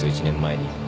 １年前に。